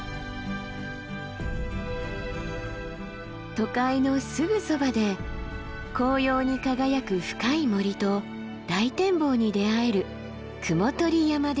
都会のすぐそばで紅葉に輝く深い森と大展望に出会える雲取山です。